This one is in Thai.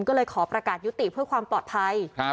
ก็เลยขอประกาศยุติเพื่อความปลอดภัย